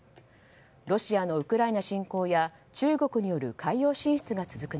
ロシアのウクライナ侵攻や中国による海洋進出が続く